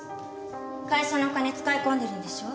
会社のお金使い込んでるんでしょ？